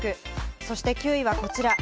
そして９位はこちら。